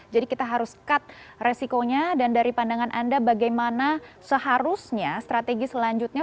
jadi kita harus cut resikonya dan dari pandangan anda bagaimana seharusnya strategi selanjutnya